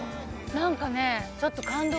何かねちょっと。